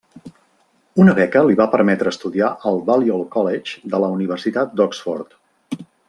Una beca li va permetre estudiar al Balliol College de la Universitat d'Oxford.